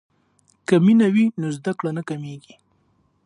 که مینه وي نو زده کړه نه کمیږي.